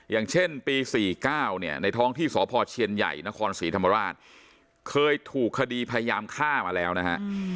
อย่างเช่นปี๔๙เนี่ยในท้องที่สพเชียนใหญ่นครศรีธรรมราชเคยถูกคดีพยายามฆ่ามาแล้วนะฮะ